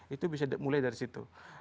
itu bisa mulai dari situ